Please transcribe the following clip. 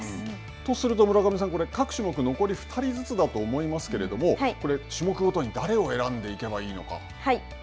とすると村上さん、各種目、残り２人ずつだと思いますけど、種目ごとに誰を選んでいけばいいのか。